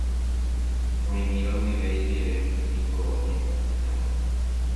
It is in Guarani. Oĩmíva guive ijere rupi niko oñe'ẽ Castellano-pe.